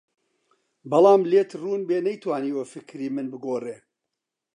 بەڵام لێت ڕوون بێ نەیتوانیوە فکری من بگۆڕێ